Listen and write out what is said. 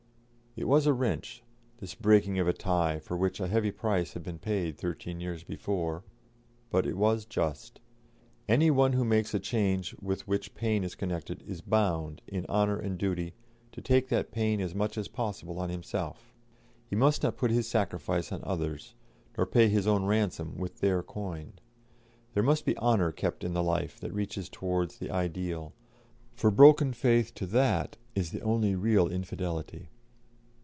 It was a wrench, this breaking of a tie for which a heavy price had been paid thirteen years before, but it was just. Any one who makes a change with which pain is connected is bound, in honour and duty, to take that pain as much as possible on himself; he must not put his sacrifice on others, nor pay his own ransom with their coin. There must be honour kept in the life that reaches towards the Ideal, for broken faith to that is the only real infidelity.